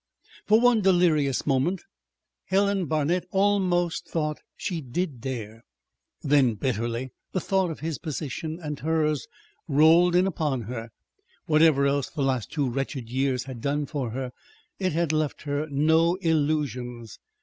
For one delirious moment Helen Barnet almost thought she did dare. Then, bitterly, the thought of his position and hers rolled in upon her. Whatever else the last two wretched years had done for her, it had left her no illusions.